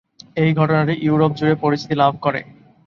এই ঘটনাটি ইউরোপ জুড়ে পরিচিতি লাভ করে।